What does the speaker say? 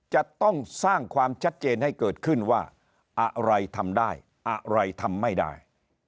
จะต้องสร้างความชัดเจนให้เกิดขึ้นว่าอะไรทำได้อะไรทำไม่ได้